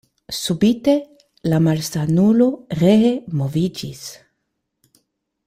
Subite la malsanulo ree moviĝis.